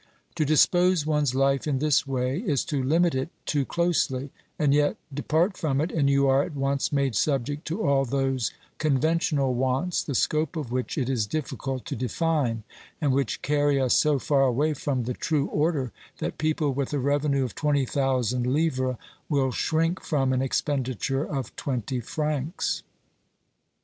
To dispose one's life in this way is to limit it too closely, and yet, depart from it and you are at once made subject to all those conventional wants the scope of which it is difficult to define, and which carry us so far away from the true order that people with a revenue of 20,000 livres will shrink from an expenditure of twenty francs.